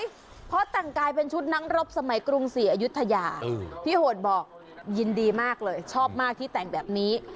เพราะแต่งกายเป็นชุดนักรบสมัยกรุงศรีอายุทยาพี่โหดบอกยินดีมากเลยชอบมากที่แต่งแบบนี้